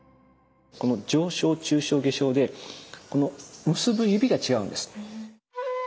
この上生・中生・下生でこの結ぶ指が違うんです。